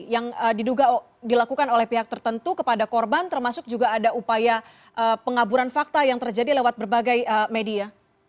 yang dilakukan oleh pihak tertentu kepada korban termasuk juga ada upaya pengaburan fakta yang terjadi lewat berbagai media